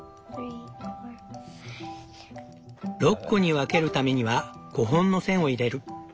６個に分けるためには５本の線を入れる！